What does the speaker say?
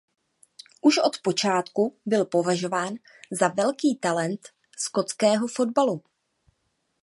Už od počátku byl považován za velký talent skotského fotbalu.